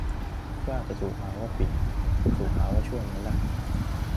กล้าจะ ถูกหาว่า 'ผิด' ถูกหาว่า 'ชั่ว' ไหมล่ะ